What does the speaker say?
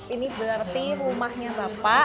ini berarti rumahnya siapa